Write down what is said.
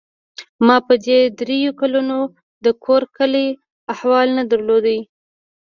ما په دې درېو کلونو د کور کلي احوال نه درلود.